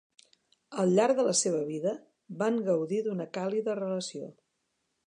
Al llarg de la seva vida, van gaudir d'una càlida relació.